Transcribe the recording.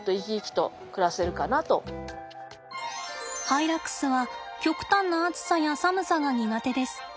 ハイラックスは極端な暑さや寒さが苦手です。